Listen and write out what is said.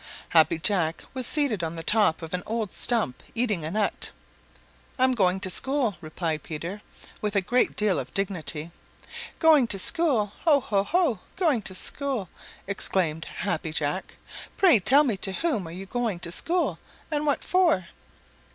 Happy Jack was seated on the top of an old stump, eating a nut. "I'm going to school," replied Peter with a great deal of dignity. "Going to school! Ho, ho, ho! Going to school!" exclaimed Happy Jack. "Pray tell me to whom you are going to school, and what for?"